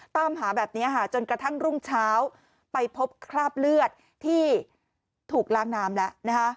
ตามหาแบบนี้ค่ะจนกระทั่งรุ่งเช้าไปพบคราบเลือดที่ถูกล้างน้ำแล้วนะคะ